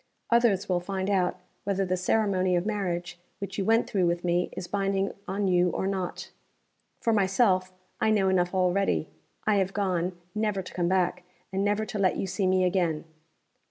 Others will find out whether the ceremony of marriage which you went through with me is binding on you or not. For myself, I know enough already. I have gone, never to come back, and never to let you see me again.